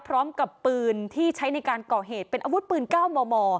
พร้อมกับปืนที่ใช้ในการก่อเหตุเป็นอาวุธปืน๙มม